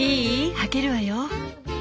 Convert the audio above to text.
開けるわよ？